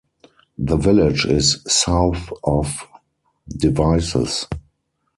The village is south of Devizes.